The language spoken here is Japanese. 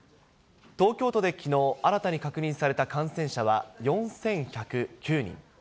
東京都できのう、新たに確認された感染者は４１０９人。